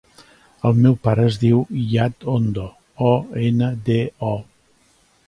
El meu pare es diu Iyad Ondo: o, ena, de, o.